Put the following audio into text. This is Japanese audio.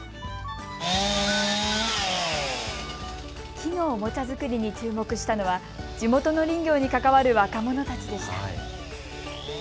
木のおもちゃ作りに注目したのは地元の林業に関わる若者たちでした。